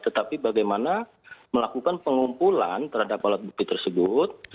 tetapi bagaimana melakukan pengumpulan terhadap alat bukti tersebut